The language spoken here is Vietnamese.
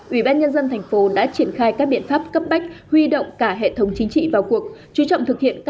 ủy ban nhân dân thành phố đã triển khai các biện pháp cấp bách huy động cả hệ thống chính trị vào cuộc